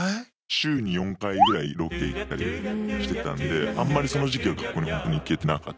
週に４回ぐらいロケ行ったりしてたんであんまりその時期は学校にほんとに行けてなかったですね。